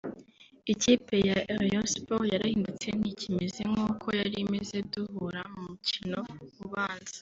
Ikipe ya Rayon Sports yarahindutse ntikimeze nk’uko yari imeze duhura mu mukino ubanza